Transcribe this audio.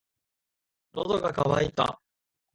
喉が渇いた。